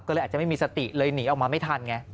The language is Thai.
ก็เลยอาจจะไม่มีสติเลยหนีออกมาไม่ทันไง